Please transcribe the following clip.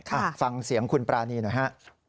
อ่ะฟังเสียงคุณปรานีหน่อยฮะ